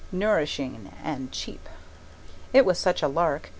Nourishing and cheap. It was such a lark!